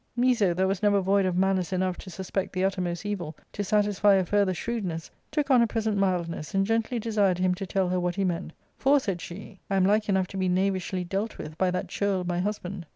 Miso, that was never void of malice enough to suspect the uttermost evil, to satisfy a further shrewdness, took on a pre sent mildness, and gently desired him to tell her what he meant ;" For," said she, " I am like enough to be knavishly dealt with by that churl my husband."